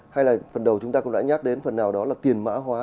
hay là phần đầu chúng ta cũng đã nhắc đến phần nào đó là tiền mã hóa